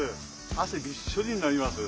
あせびっしょりになります。